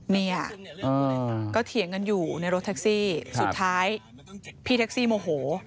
เนี่ยก็เถียงกันอยู่ในรถแท็กซี่สุดท้ายพี่แท็กซี่โมโห